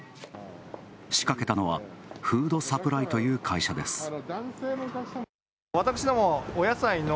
仕掛けたのは、フードサプライという会社です。